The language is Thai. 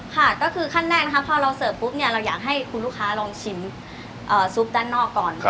ค่ะก็คือขั้นแรกนะคะพอเราเสิร์ฟปุ๊บเนี่ยเราอยากให้คุณลูกค้าลองชิมซุปด้านนอกก่อน